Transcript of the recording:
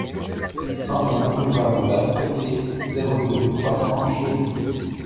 cent quinze boulevard de Bad Kostritz, zéro deux, trois cents, Chauny